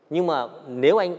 nhưng mà nếu anh